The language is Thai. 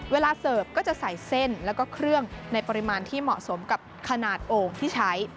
เสิร์ฟก็จะใส่เส้นแล้วก็เครื่องในปริมาณที่เหมาะสมกับขนาดโอ่งที่ใช้